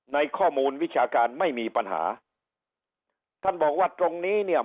ในข้อมูลวิชาการไม่มีปัญหาท่านบอกว่าตรงนี้เนี่ย